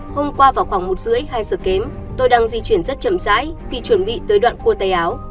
hôm qua vào khoảng một h ba mươi hai h kém tôi đang di chuyển rất chậm rãi vì chuẩn bị tới đoạn cua tay áo